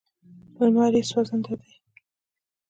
لمر یې سوځنده دی.